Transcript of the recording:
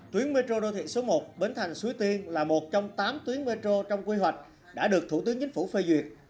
tuyến metro đô thị số một bến thành suối tiên là một trong tám tuyến metro trong quy hoạch đã được thủ tướng chính phủ phê duyệt